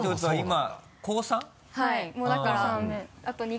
はい。